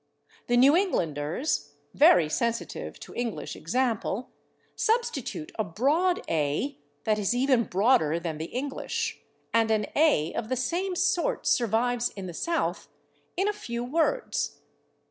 The New Englanders, very sensitive to English example, substitute a broad /a/ that is even broader than the English, and an /a/ of the same sort survives in the South in a few words, /e.